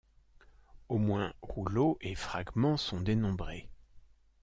Au moins rouleaux et fragments sont dénombrés.